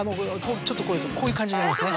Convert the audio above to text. ちょっとこういう感じになりますね。